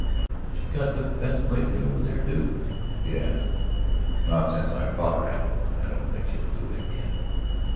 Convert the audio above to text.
"Has she cut the fence lately over there, Duke?" she asked. "Not since I caught her at it. I don't think she'll do it again."